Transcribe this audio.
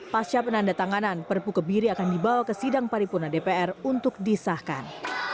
pasca penanda tanganan perpu kebiri akan dibawa ke sidang paripurna dpr untuk disahkan